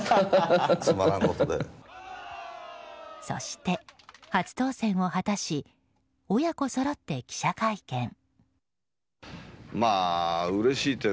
そして初当選を果たし親子そろって記者会見。